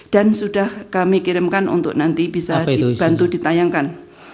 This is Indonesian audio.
dan sudah kami kirimkan untuk nanti bisa dibantu ditayangkan